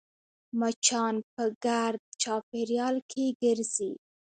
مچان په ګرد چاپېریال کې ګرځي